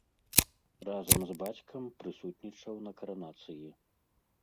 Разам з бацькам прысутнічаў на каранацыі.